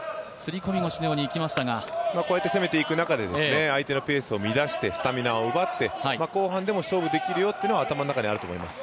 こうやって攻めていく中で相手のペースを乱してスタミナを奪って後半でも勝負できるよというのは頭の中にあると思います。